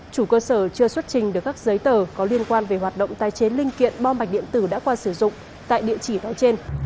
chủ cơ sở chưa xuất trình được các giấy tờ có liên quan về hoạt động tái chế linh kiện bom mạch điện tử đã qua sử dụng tại địa chỉ nói trên